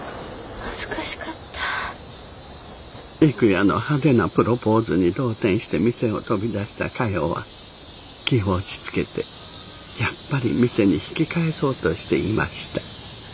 郁弥の派手なプロポーズに動転して店を飛び出したかよは気を落ち着けてやっぱり店に引き返そうとしていました。